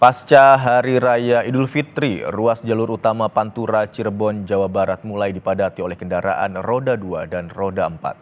pasca hari raya idul fitri ruas jalur utama pantura cirebon jawa barat mulai dipadati oleh kendaraan roda dua dan roda empat